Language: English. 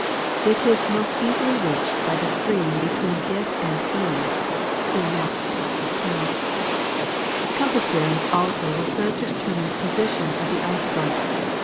It is most easily reached by the stream between it and E (see map, plate 14). Compass bearings also will serve to determine the position of the ice front.